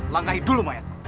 langkahi dulu mayatku